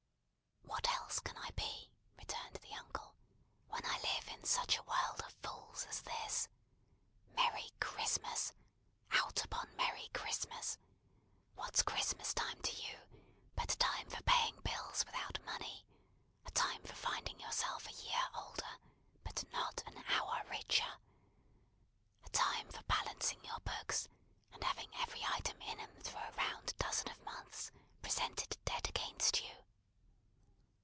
"What else can I be," returned the uncle, "when I live in such a world of fools as this? Merry Christmas! Out upon merry Christmas! What's Christmas time to you but a time for paying bills without money; a time for finding yourself a year older, but not an hour richer; a time for balancing your books and having every item in 'em through a round dozen of months presented dead against you?